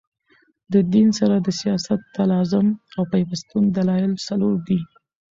د دین سره د سیاست د تلازم او پیوستون دلایل څلور دي.